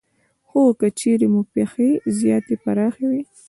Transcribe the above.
خو که چېرې مو پښې زیاتې پراخې وي